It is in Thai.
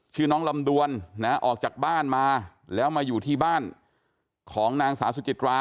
ชื่อน้องลำดวนนะออกจากบ้านมาแล้วมาอยู่ที่บ้านของนางสาวสุจิตรา